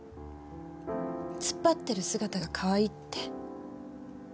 突っ張ってる姿がかわいいって。